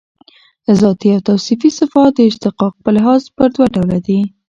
ذاتي او توصیفي صفات د اشتقاق په لحاظ پر دوه ډوله دي.